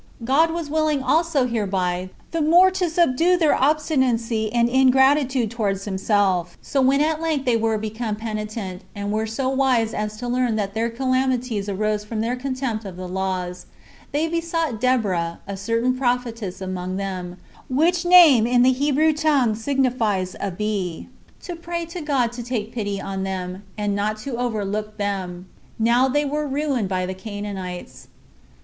God was willing also hereby the more to subdue their obstinacy and ingratitude towards himself: so when at length they were become penitent, and were so wise as to learn that their calamities arose from their contempt of the laws, they besought Deborah, a certain prophetess among them, [which name in the Hebrew tongue signifies a Bee,] to pray to God to take pity on them, and not to overlook them, now they were ruined by the Canaanites.